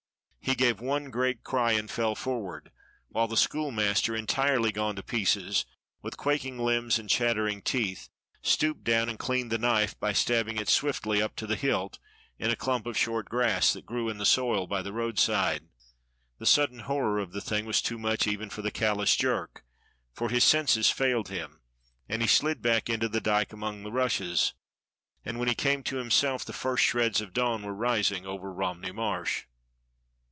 He gave one great cry and fell forward, while the schoolmaster, entirely gone to pieces, with quaking limbs and chattering teeth, stooped down and cleaned the knife by stabbing it swiftly up to the hilt in a clump of short grass that grew in the soil by the roadside. END OF SENNACHERIB PEPPER 69 The sudden horror of the thing was too much even for the callous Jerk, for his senses failed him and he slid back into the dyke among the rushes, and when he came to himself the first shreds of dawn were rising over Romney Marsh.